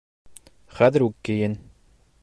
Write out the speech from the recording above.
Хәҙер үк кейен!